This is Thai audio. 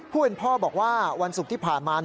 พ่อบอกว่าวันศุกร์ที่ผ่านมา